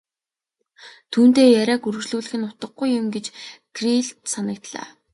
Түүнтэй яриаг үргэжлүүлэх нь утгагүй юм гэж Кириллд санагдлаа.